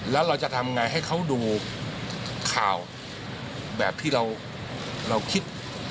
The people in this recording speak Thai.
แล้วเราจะทำไงให้เขาดูข่าวแบบที่เราคิด